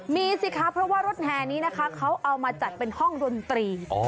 มีสิคะเพราะว่ารถแห่นี้นะคะเขาเอามาจัดเป็นห้องดนตรี